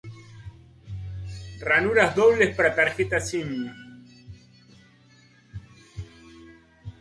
Ranuras para tarjetas sim doble.